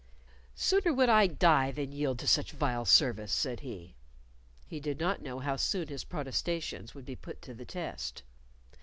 "Sooner would I die than yield to such vile service," said he. He did not know how soon his protestations would be put to the test.